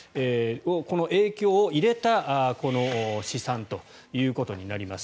この影響を入れた試算ということになります。